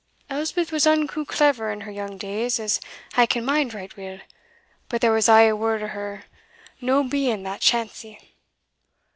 Elspeth was unco clever in her young days, as I can mind right weel, but there was aye a word o' her no being that chancy.